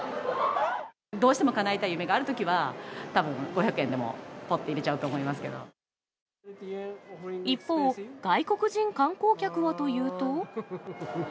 どうしてもかなえたい夢があるときは、たぶん５００円でも、一方、外国人観光客はというと。